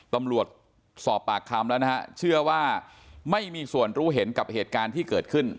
ตำรวจสอบปากคำแล้วนะฮะเชื่อว่าไม่มีส่วนรู้เห็นกับเหตุการณ์ที่เกิดขึ้น